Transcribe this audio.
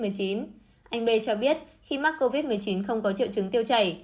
anh b cho biết khi mắc covid một mươi chín không có triệu chứng tiêu chảy